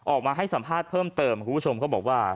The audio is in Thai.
ออกมาให้สัมภาษณ์เพิ่มเติมคุณผู้ชมก็บอกว่า